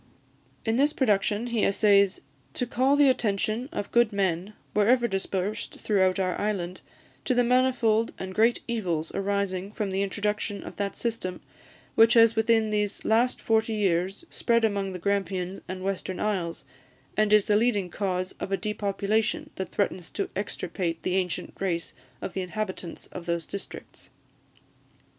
In this production he essays "to call the attention of good men, wherever dispersed throughout our island, to the manifold and great evils arising from the introduction of that system which has within these last forty years spread among the Grampians and Western Isles, and is the leading cause of a depopulation that threatens to extirpate the ancient race of the inhabitants of those districts."